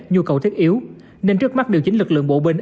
nhu cầu thiết yếu nên trước mắt điều chính lực lượng bộ binh